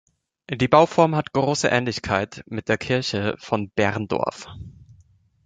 Die Bauform hat große Ähnlichkeit mit der Kirche von Berndorf.